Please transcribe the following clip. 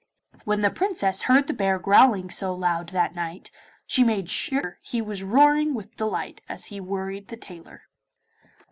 When the Princess heard the bear growling so loud that night, she made sure he was roaring with delight as he worried the tailor.